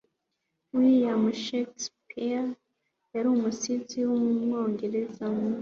william shakespeare yari umusizi w'umwongereza